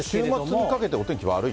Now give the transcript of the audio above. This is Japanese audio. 週末にかけて、お天気、悪い？